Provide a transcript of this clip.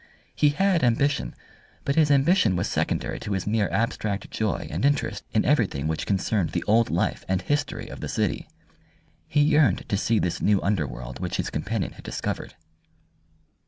He had ambition, but his ambition was secondary to his mere abstract joy and interest in everything which concerned the old life and history of the city. He yearned to see this new underworld which his companion had discovered.